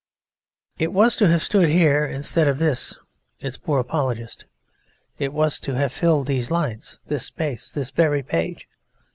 It was to have stood here instead of this, its poor apologist. It was to have filled these lines, this space, this very page.